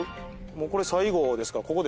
もうこれ最後ですからここで。